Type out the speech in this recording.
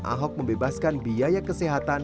ahok membebaskan biaya kesehatan